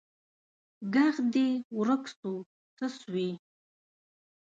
ږغ دي ورک سو څه سوي